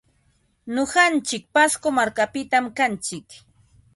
Nuqantsik pasco markapitam kantsik.